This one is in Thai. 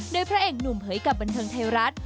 โดยพระเอกหนุ่มเผยกับบันเทิงไทยรัฐ